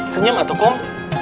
senyum ah tukung